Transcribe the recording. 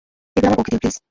এগুলো আমার বউকে দিও, প্লিজ।